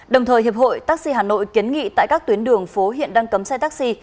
đồng thời hiệp hội taxi hà nội kiến nghị tại các tuyến đường phố hiện đang cấm xe taxi